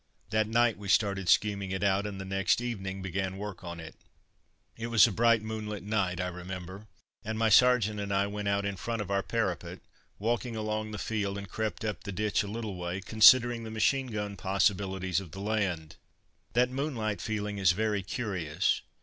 That night we started scheming it out, and the next evening began work on it. It was a bright moonlight night, I remember, and my sergeant and I went out in front of our parapet, walked along the field and crept up the ditch a little way, considering the machine gun possibilities of the land. That moonlight feeling is very curious.